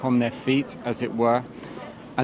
dan bisa kembali ke kaki mereka